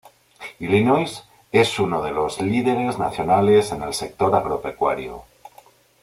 Illinois es uno de los líderes nacionales en el sector agropecuario.